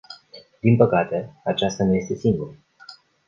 Din păcate, aceasta nu este singura.